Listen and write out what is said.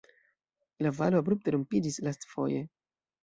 La valo abrupte rompiĝis lastfoje.